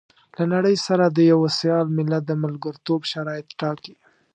له نړۍ سره د يوه سيال ملت د ملګرتوب شرايط ټاکي.